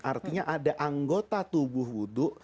artinya ada anggota tubuh wudhu